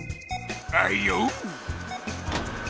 あいよ。